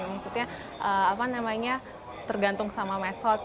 maksudnya apa namanya tergantung sama medsos